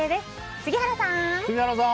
杉原さん！